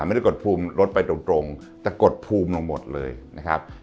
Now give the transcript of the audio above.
ไม่ได้กดภูมิรถไปตรงแต่กดภูมิลงหมดเลยนะครับ